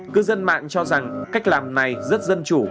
cư dân mạng cho rằng cách làm này rất dân chủ